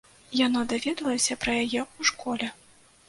Яно даведалася пра яе ў школе.